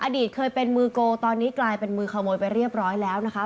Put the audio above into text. อดีตเคยเป็นมือโกตอนนี้กลายเป็นมือขโมยไปเรียบร้อยแล้วนะคะ